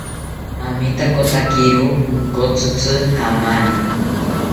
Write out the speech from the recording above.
Amitakotakiro onkotzitzi jamani